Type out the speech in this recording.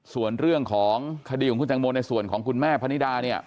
ส่วนเรื่องของคดีของคุณตังโมในส่วนของคุณแม่พนิดาเนี่ย